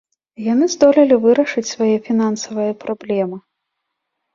Яны здолелі вырашыць свае фінансавыя праблемы.